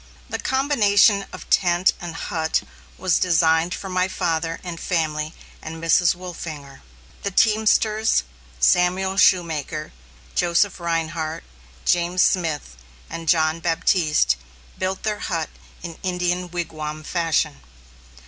The combination of tent and hut was designed for my father and family and Mrs. Wolfinger. The teamsters, Samuel Shoemaker, Joseph Rhinehart, James Smith, and John Baptiste, built their hut in Indian wigwam fashion.